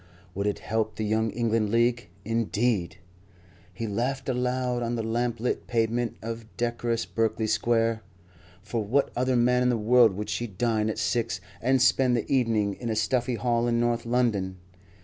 Would it help the Young England League, indeed! He laughed aloud on the lamp lit pavement of decorous Berkeley Square. For what other man in the world would she dine at six and spend the evening in a stuffy hall in North London?